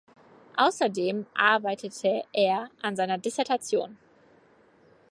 Außerdem arbeitete er an seiner Dissertation.